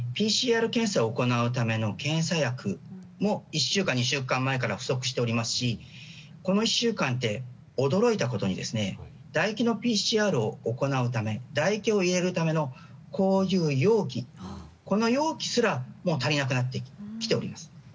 ＰＣＲ検査を行うための検査薬も１週間、２週間前から不足していますしこの１週間で驚いたことに唾液のＰＣＲを行うため唾液を入れるための容器すら足りなくなってきております。